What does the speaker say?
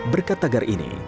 berkat tagar ini